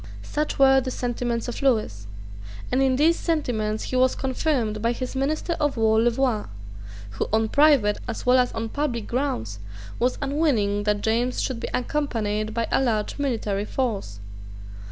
Such were the sentiments of Lewis; and in these sentiments he was confirmed by his Minister of War Louvois, who, on private as well as on public grounds, was unwilling that James should be accompanied by a large military force.